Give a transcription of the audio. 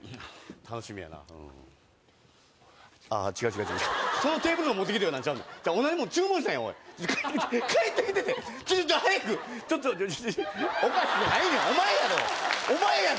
楽しみやなうん違う違うそのテーブルのを持ってきて言うたんちゃうねん同じもの注文したんやおい帰ってきてって早くちょっと「おかしい」やないねんお前やろお前やん